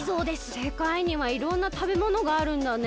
せかいにはいろんなたべものがあるんだね。